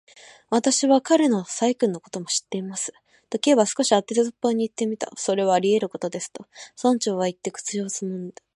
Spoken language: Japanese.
「私は彼の細君のことも知っています」と、Ｋ は少し当てずっぽうにいってみた。「それはありうることです」と、村長はいって、口をつぐんだ。